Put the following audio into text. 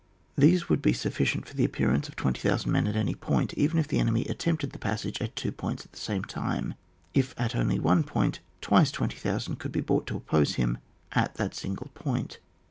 These would be sufficient for the appear ance of 20,000 men at any point, even if the enemy attempted the passage, at two points at the same time ; if at only one point twice 20,000 could be brought to oppose him at that single point.